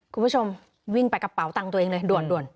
คุณผู้ชมวิ่งไปกระเป๋าตังค์ตัวเองเลยด่วน